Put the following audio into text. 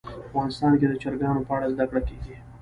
افغانستان کې د چرګانو په اړه زده کړه کېږي.